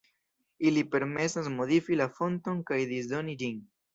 Ili permesas modifi la fonton kaj disdoni ĝin.